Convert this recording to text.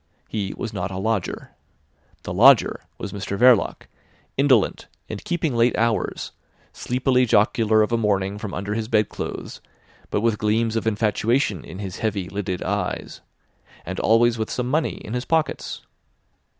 He was not a lodger. The lodger was Mr Verloc, indolent, and keeping late hours, sleepily jocular of a morning from under his bed clothes, but with gleams of infatuation in his heavy lidded eyes, and always with some money in his pockets.